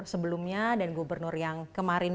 sebelumnya dan gubernur yang kemarin